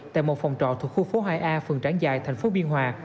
tại một phòng trọ thuộc khu phố hai a phường trảng giài thành phố biên hòa